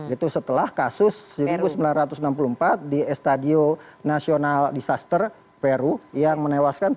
itu setelah kasus seribu sembilan ratus enam puluh empat di estadio nacional disaster peru yang menewaskan tiga ratus dua puluh delapan